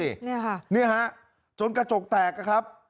นี่ค่ะนี่ฮะจนกระจกแตกครับ